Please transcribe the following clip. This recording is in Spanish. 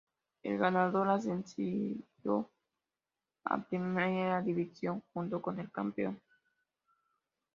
El ganador ascendió a Primera División junto con el campeón.